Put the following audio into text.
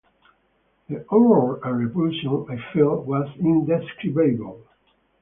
The horror and repulsion I felt was indescribable.